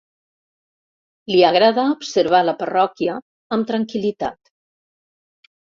Li agrada observar la parròquia amb tranquil·litat.